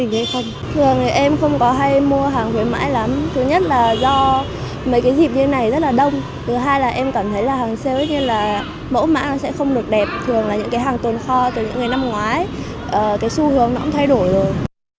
thường là những cái hàng tồn kho từ những ngày năm ngoái cái xu hướng nó cũng thay đổi rồi